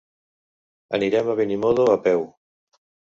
Anirem a Benimodo a peu.